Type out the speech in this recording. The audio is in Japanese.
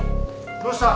どうした！？